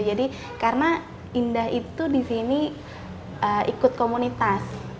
karena indah itu di sini ikut komunitas